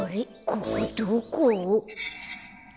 ここどこ？